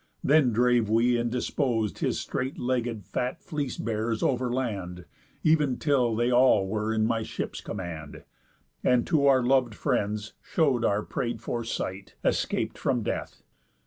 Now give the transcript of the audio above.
Then drave we, and dispos'd, His straight legg'd fat fleece bearers over land, Ev'n till they all were in my ship's command; And to our lov'd friends show'd our pray'd for sight, Escap'd from death.